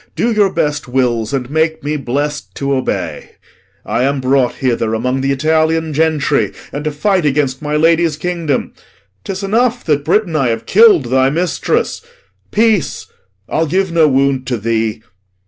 Do your best wills, And make me blest to obey. I am brought hither Among th' Italian gentry, and to fight Against my lady's kingdom. 'Tis enough That, Britain, I have kill'd thy mistress; peace! I'll give no wound to thee.